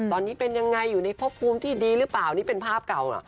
ตอนนี้เป็นยังไงอยู่ในพบภูมิที่ดีหรือเปล่านี่เป็นภาพเก่าเหรอ